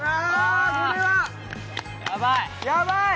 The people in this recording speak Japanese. やばい！